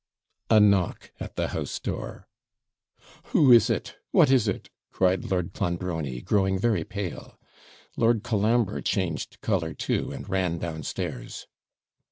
A knock at the house door. 'Who is it? What is it?' cried Lord Clonbrony, growing very pale. Lord Colambre changed colour too, and ran downstairs.